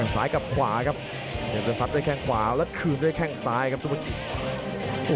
สายกับขวาครับเดี๋ยวจะทรัพย์ด้วยแค่งขวาและคืนด้วยแค่งซ้ายครับซุปกรีม